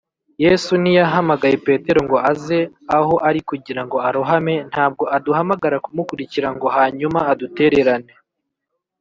yesu ntiyahamagaye petero ngo aze aho ari kugira ngo arohame; ntabwo aduhamagara kumukurikira ngo hanyuma adutererane